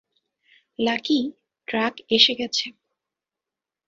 Lucky, truck এসে গেছে!